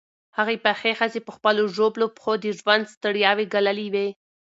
هغې پخې ښځې په خپلو ژوبلو پښو د ژوند ستړیاوې ګاللې وې.